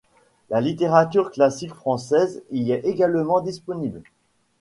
La littérature classique française y est également disponible.